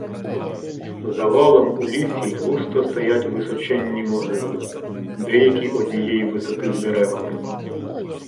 За валом у лісі густо стоять височенні могили, деякі однієї висоти з деревами.